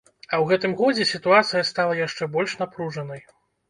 А ў гэтым годзе сітуацыя стала яшчэ больш напружанай.